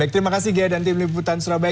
baik terima kasih ghea dan tim liputan surabaya